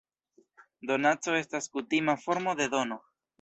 Donaco estas kutima formo de dono.